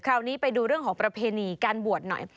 คราวนี้ไปดูเรื่องของประเพณีการบวชหน่อย